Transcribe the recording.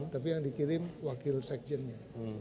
tapi yang dikirim wakil sekjennya